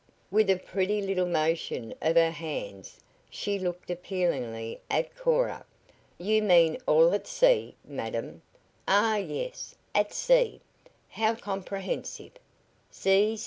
With a pretty little motion of her hands she looked appealingly at Cora. "You mean all at sea, madam." "Ah, yes! At sea! How comprehensive!